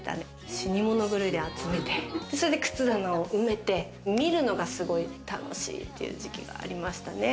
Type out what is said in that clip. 死に物狂いで集めて、靴棚を埋めて、見るのがすごい楽しいという時期がありましたね。